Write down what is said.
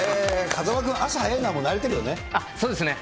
風間君、朝早いのはもう慣れてるよね。